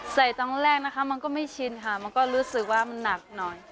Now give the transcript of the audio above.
ตอนแรกนะคะมันก็ไม่ชินค่ะมันก็รู้สึกว่ามันหนักหน่อย